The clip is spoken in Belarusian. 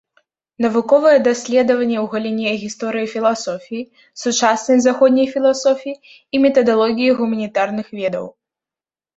Навуковыя даследаванні ў галіне гісторыі філасофіі, сучаснай заходняй філасофіі і метадалогіі гуманітарных ведаў.